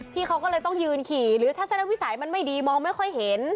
เขาก็เลยต้องยืนขี่หรือทัศนวิสัยมันไม่ดีมองไม่ค่อยเห็น